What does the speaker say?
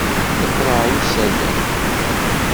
Yeqqel ɣer usalay.